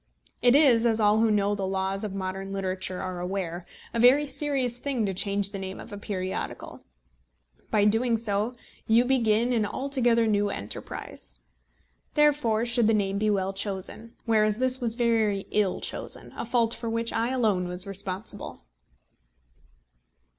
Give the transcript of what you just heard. It is, as all who know the laws of modern literature are aware, a very serious thing to change the name of a periodical. By doing so you begin an altogether new enterprise. Therefore should the name be well chosen; whereas this was very ill chosen, a fault for which I alone was responsible.